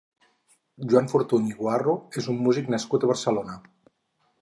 Joan Fortuny i Guarro és un músic nascut a Barcelona.